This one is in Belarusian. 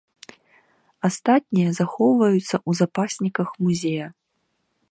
Астатнія захоўваюцца ў запасніках музея.